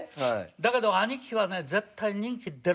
だけど兄貴はね絶対に人気出るなと。